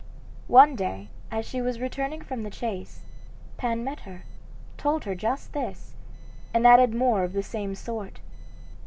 One day, as she was returning from the chase, Pan met her, told her just this, and added more of the same sort.